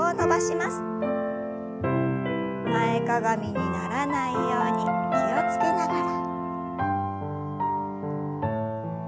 前かがみにならないように気を付けながら。